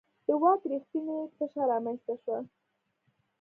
د واک رښتینې تشه رامنځته شوه.